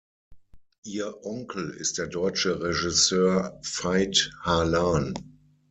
Ihr Onkel ist der deutsche Regisseur Veit Harlan.